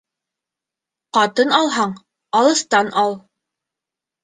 Ҡатын алһаң, алыҫтан ал.